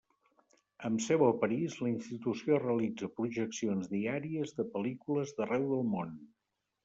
Amb seu a París, la institució realitza projeccions diàries de pel·lícules d'arreu del món.